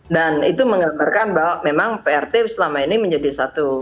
dan itu menggambarkan bahwa memang prt selama ini menjadi satu